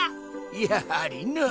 やはりな。